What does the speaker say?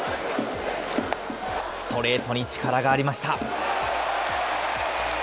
ストレートに力がありました。